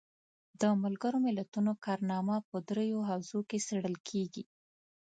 د ملګرو ملتونو کارنامه په دریو حوزو کې څیړل کیږي.